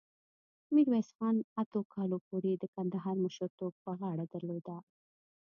میرویس خان اتو کالو پورې د کندهار مشرتوب په غاړه درلود.